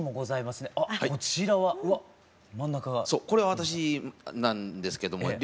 これ私なんですけども。